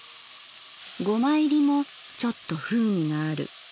ゴマ入りもちょっと風味がある。